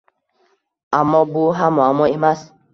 Ammo bu ham muammo emas.